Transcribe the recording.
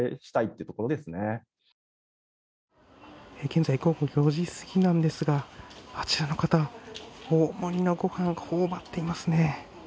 現在午後４時すぎなんですが、あちらの方、大盛りの御飯をほおばっていますね。